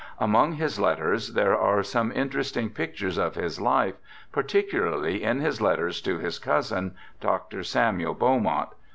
Among his letters there are some interest ing pictures of his life, particularly in his letters to his cousin, Dr. Samuel Beaumont.